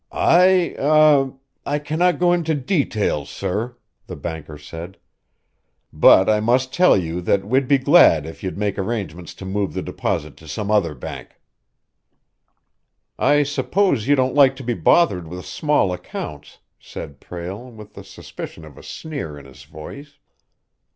"I er I cannot go into details, sir," the banker said. "But I must tell you that we'd be glad if you'd make arrangements to move the deposit to some other bank." "I suppose you don't like to be bothered with small accounts," said Prale, with the suspicion of a sneer in his voice.